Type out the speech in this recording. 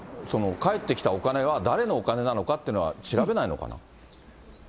返ってきたお金は、誰のお金なのかっていうのは、調べないのかな。